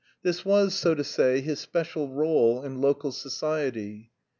This was, so to say, his special rôle in local society.